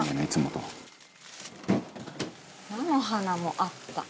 菜の花もあった。